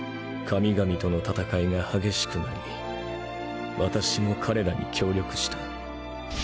神々との戦いが激しくなり私も彼らに協力した。